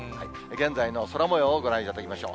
現在の空もようをご覧いただきましょう。